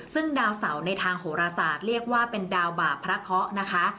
ซึ่งดาวเสาในทางโหรศาสตร์เรียกว่าเป็นดาวบาปพระเคาะนะคะ